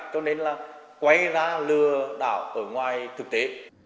cho nên là quay ra lừa đảo ở ngoài thực tế